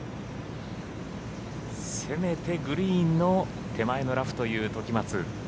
せめてグリーンの手前のラフという時松。